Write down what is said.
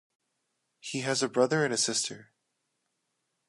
He has a brother and a sister.